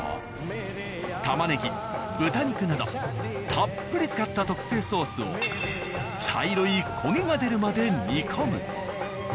玉ねぎ豚肉などたっぷり使った特製ソースを茶色い焦げが出るまで煮込む。